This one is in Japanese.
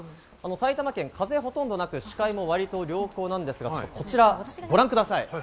埼玉県、風はほとんどなく視界もわりと良好なんですが、ちょっとこちらをご覧ください。